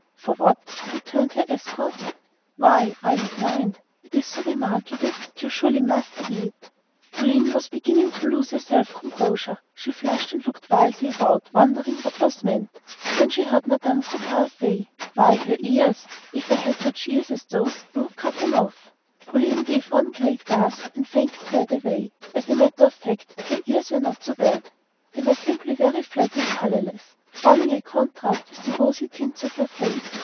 "For what?" returned her escort. "Why, are you blind? It's so remarkable that you SURELY must see it." Pauline was beginning to lose her self composure. She flushed and looked wildly about, wondering what was meant. Then she heard Mme. Coutades say: "Why, her ears. If I had such ears as those I would cut them off!" Pauline gave one great gasp and fainted dead away. As a matter of fact, her ears were not so bad. They were simply very flat and colorless, forming a contrast with the rosy tints of her face.